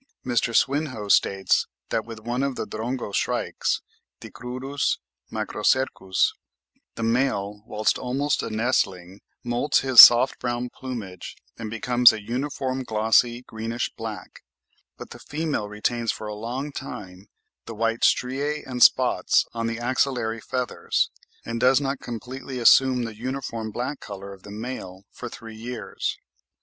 Mr. Swinhoe states that with one of the Drongo shrikes (Dicrurus macrocercus) the male, whilst almost a nestling, moults his soft brown plumage and becomes of a uniform glossy greenish black; but the female retains for a long time the white striae and spots on the axillary feathers; and does not completely assume the uniform black colour of the male for three years.